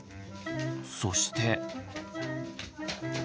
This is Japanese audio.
そして。